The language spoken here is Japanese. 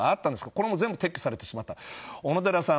これも撤去されてしまった小野寺さん